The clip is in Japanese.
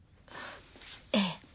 ええ。